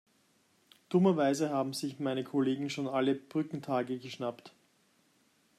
Dummerweise haben sich meine Kollegen schon alle Brückentage geschnappt.